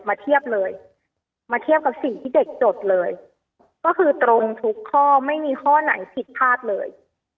เทียบเลยมาเทียบกับสิ่งที่เด็กจดเลยก็คือตรงทุกข้อไม่มีข้อไหนผิดพลาดเลย